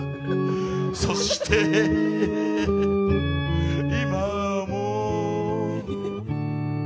そして、今も。